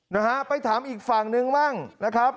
นะฮะไปถามอีกฝั่งนึงบ้างนะครับ